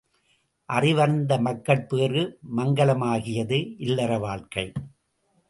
அறிவறிந்த மக்கட்பேறு மங்கலமாகியது இல்லற வாழ்க்கை.